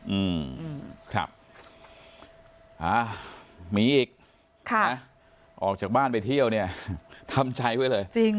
อืมครับมีอีกออกจากบ้านไปเที่ยวเนี่ยทำใจไว้เลย